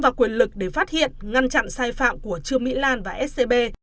và quyền lực để phát hiện ngăn chặn sai phạm của trương mỹ lan và scb